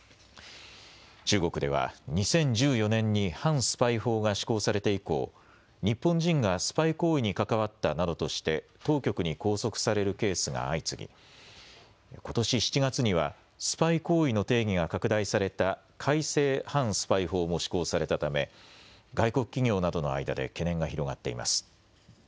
中国では２０１４年に反スパイ法が施行されて以降、日本人がスパイ行為に関わったなどとして当局に拘束されるケースが相次ぎことし７月にはスパイ行為の定義が拡大された改正反スパイ法も施行されたため外国企業などの間で懸念が広がっています。